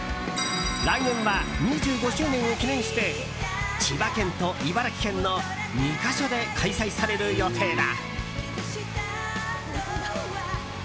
来年は２５周年を記念して千葉県と茨城県の２か所で開催される予定だ。